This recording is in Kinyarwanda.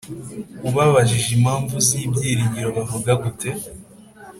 ubabajije impamvu z ibyiringiro bavuga gute